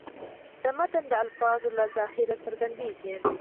د متن د الفاظو له ظاهره څرګندېږي.